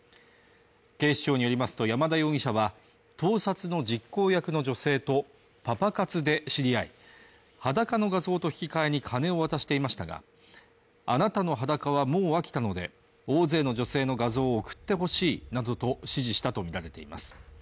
警視庁によりますと山田容疑者は盗撮の実行役の女性とパパ活で知り合い裸の画像と引き換えに金を渡していましたがあなたの裸はもう飽きたので大勢の女性の画像を送ってほしいなどと指示したとみられています